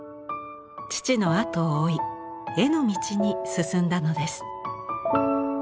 父のあとを追い絵の道に進んだのです。